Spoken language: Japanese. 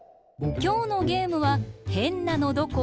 きょうのゲームはへんなのどこ？